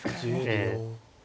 ええ。